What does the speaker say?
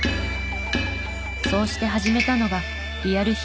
そうして始めたのがリアル飛脚便。